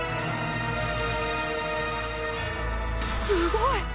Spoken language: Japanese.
すごい。